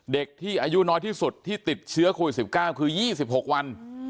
เด็กที่อายุน้อยที่สุดที่ติดเชื้อโควิดสิบเก้าคือยี่สิบหกวัน